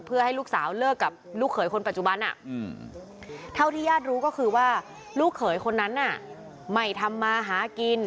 เพื่อให้ลูกสาวเลิกกับลูกเขยคนปัจจุบันเท่าที่ญาติรู้ก็คือว่าลูกเขยคนนั้นไม่ทำมาหากิน